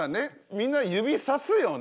みんな指さすよね